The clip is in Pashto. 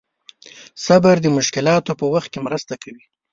صبر د مشکلاتو په وخت کې مرسته کوي.